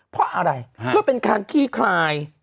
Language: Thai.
เพราะอะไรเพื่อเป็นการขี้คลาย